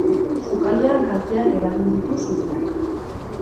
Sukaldean kalteak eragin ditu suteak.